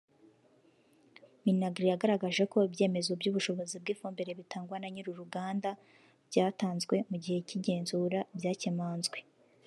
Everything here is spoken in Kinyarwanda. Minagri yagaragaje ko ibyemezo by’ubushobozi bw’ifumbire bitangwa na nyir’uruganda byatanzwe mu gihe cy’igenzura byakemanzwe